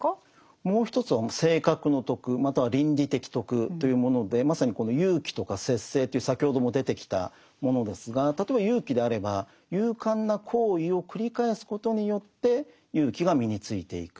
もう一つは性格の徳または倫理的徳というものでまさにこの勇気とか節制という先ほども出てきたものですが例えば勇気であれば勇敢な行為を繰り返すことによって勇気が身についていく。